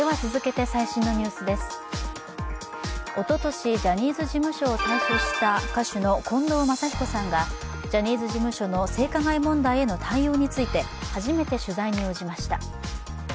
おととし、ジャニーズ事務所を退所した歌手の近藤真彦さんがジャニーズ事務所の性加害問題への対応について初めて取材に応じました。